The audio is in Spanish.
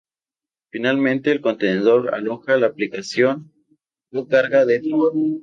Finalmente, el contenedor aloja la aplicación o carga de trabajo.